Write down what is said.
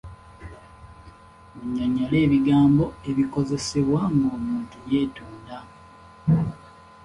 Munnyonnyole ebigambo ebikozesebwa nga omuntu yeetonda.